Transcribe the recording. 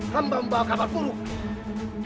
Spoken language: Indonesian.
hembah membawa kabar buruk